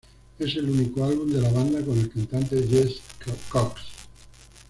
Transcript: Es el único álbum de la banda con el cantante Jess Cox.